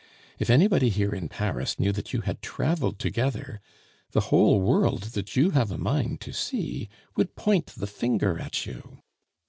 If anybody here in Paris knew that you had traveled together, the whole world that you have a mind to see would point the finger at you.